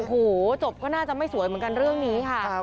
โอ้โหจบก็น่าจะไม่สวยเหมือนกันเรื่องนี้ค่ะ